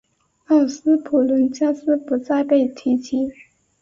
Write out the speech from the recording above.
道斯普伦加斯不再被提及。